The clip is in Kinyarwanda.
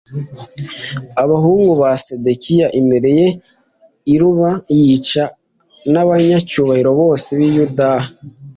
abahungu ba sedekiya imbere ye a i ribula yica n abanyacyubahiro bose b i buyuda